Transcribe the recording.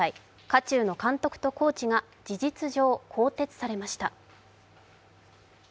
渦中の監督とコーチが事実上、更迭されました。